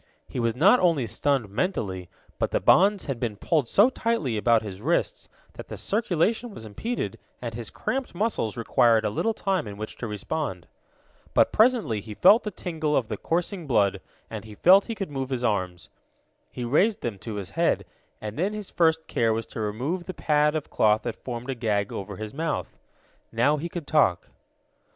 He was not only stunned mentally, but the bonds had been pulled so tightly about his wrists that the circulation was impeded, and his cramped muscles required a little time in which to respond. But presently he felt the tingle of the coursing blood, and he found he could move his arms. He raised them to his head, and then his first care was to remove the pad of cloth that formed a gag over his mouth. Now he could talk.